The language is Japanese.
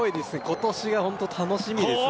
今年がホント楽しみですね